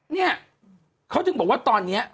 เนี่ยเขาจึงบอกว่าตอนนี้